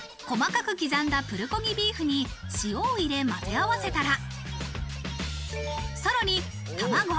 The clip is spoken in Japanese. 細かく刻んだプルコギビーフに塩を入れ、まぜ合わせたら、さらに卵。